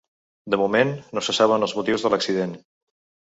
De moment, no se saben els motius de l’accident.